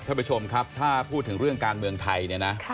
ท่านผู้ชมครับถ้าพูดถึงเรื่องการเมืองไทยเนี่ยนะ